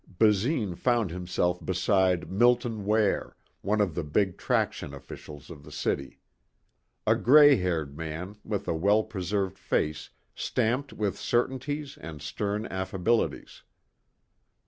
Basine found himself beside Milton Ware, one of the big traction officials of the city. A grey haired man with a well preserved face stamped with certainties and stern affabilities.